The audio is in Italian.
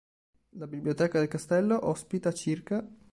La biblioteca del castello ospita ca.